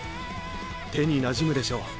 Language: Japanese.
手になじむでしょう？